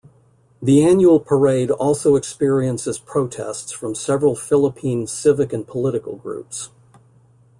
The annual parade also experiences protests from several Philippine civic and political groups.